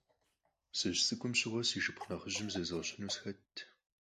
Сыщыцӏыкӏум щыгъуэ, си шыпхъу нэхъыжьым зезгъэщхьыну сыхэтт.